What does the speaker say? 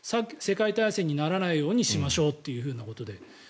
世界大戦にならないようにしましょうっていうことで。